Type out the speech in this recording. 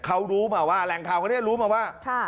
เขารู้มาว่าแหล่งข่าวคนนี้รู้มาว่า